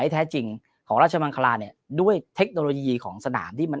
แท้จริงของราชมังคลาเนี่ยด้วยเทคโนโลยีของสนามที่มัน